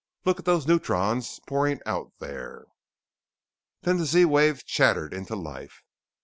Look at those neutrons pouring out there!_" Then the Z wave chattered into life.